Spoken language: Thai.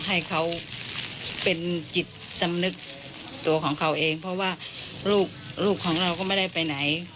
ให้เขาเป็นจิตสำนึกตัวของเขาเองเพราะว่าลูกของเราก็ไม่ได้ไปไหน